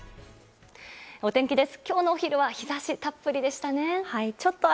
お天気です。